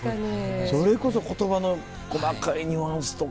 それこそ言葉の細かいニュアンスとか。